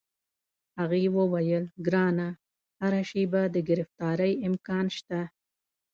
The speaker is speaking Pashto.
هغې وویل: ګرانه، هره شیبه د ګرفتارۍ امکان شته.